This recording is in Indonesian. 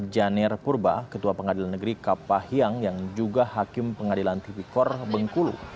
janir purba ketua pengadilan negeri kapah hyang yang juga hakim pengadilan tipikor bengkulu